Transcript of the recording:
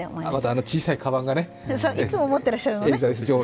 あの小さいかばんがね、いつも持っていらっしゃるのね。